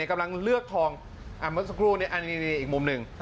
กำลังเลือกทองอันนี้อีกมุมหนึ่ง